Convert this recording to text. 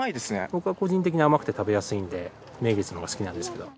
僕は個人的に甘くて食べやすいんで名月のほうが好きなんですけど。